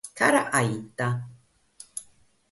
Cara a ite?